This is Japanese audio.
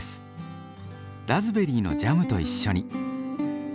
ラズベリーのジャムと一緒に。